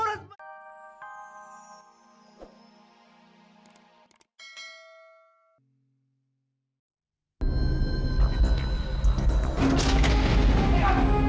ibu bangun bu